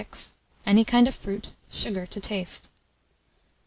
1206, any kind of fruit, sugar to taste.